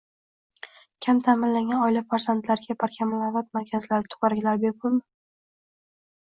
Kam ta’minlangan oila farzandlariga “Barkamol avlod” markazlarida to‘garaklar bepulmi?